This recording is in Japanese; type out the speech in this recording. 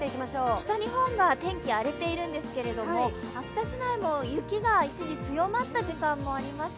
北日本が天気荒れているんですけれども、秋田市内も雪が一時、強まった時間もありました。